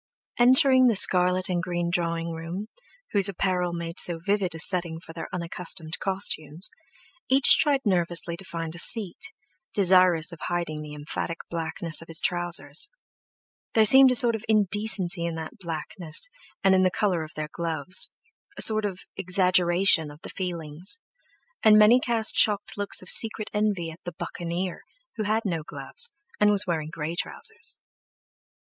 Entering the scarlet and green drawing room, whose apparel made so vivid a setting for their unaccustomed costumes, each tried nervously to find a seat, desirous of hiding the emphatic blackness of his trousers. There seemed a sort of indecency in that blackness and in the colour of their gloves—a sort of exaggeration of the feelings; and many cast shocked looks of secret envy at "the Buccaneer," who had no gloves, and was wearing grey trousers.